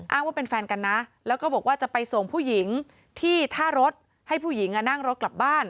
ว่าเป็นแฟนกันนะแล้วก็บอกว่าจะไปส่งผู้หญิงที่ท่ารถให้ผู้หญิงนั่งรถกลับบ้าน